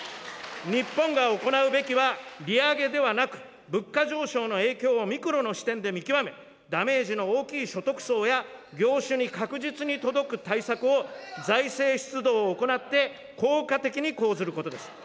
日本が行うべきは、利上げではなく、物価上昇の影響をミクロの視点で見極め、ダメージの大きい所得層や業種に確実に届く対策を、財政出動を行って、効果的に講ずることです。